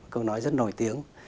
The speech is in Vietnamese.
câu nói rất nổi tiếng